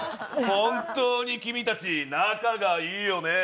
本当に君たち、仲がいいよね。